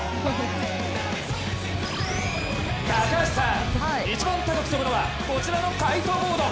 高橋さん、一番高く跳ぶのはこちらのカイトボード。